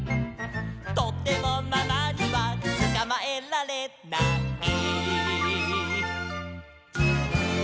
「とてもママにはつかまえられない」